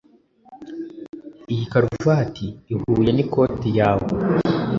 Iyi karuvati ihuye nikoti yawe